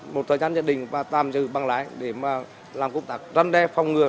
một thời gian nhất định và tạm giữ băng lái để mà làm công tác răn đe phong ngừa